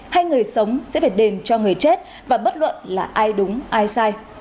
hay người sống sẽ phải đền cho người chết và bất luận là ai đúng ai sai